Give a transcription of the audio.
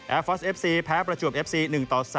ฟอสเอฟซีแพ้ประจวบเอฟซี๑ต่อ๓